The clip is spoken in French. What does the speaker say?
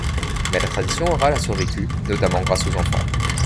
Mais la tradition orale a survécu, notamment grâce aux enfants.